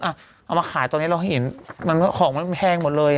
เอามาขายตอนนี้เราเห็นของมันแพงหมดเลย